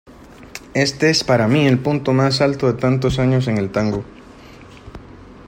Este es para mí el punto más alto de tantos años en el tango.